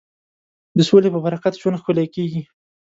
د سولې په برکت ژوند ښکلی کېږي.